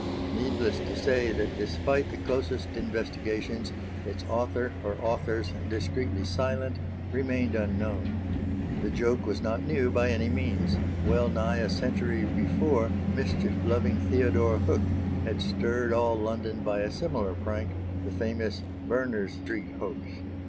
Needless to say that, despite the closest investigations, its author or authors, discreetly silent, remained unknown. The joke was not new by any means. Well nigh a century before mischief loving Theodore Hook had stirred all London by a similar prank the famous Berners Street Hoax.